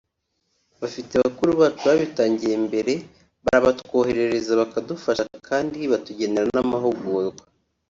bafite bakuru bacu babitangiye mbere barabatwoherereza bakadufasha kandi batugenera n’amahugurwa